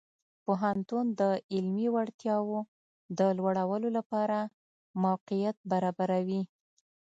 پوهنتون د علمي وړتیاو د لوړولو لپاره موقعیت برابروي.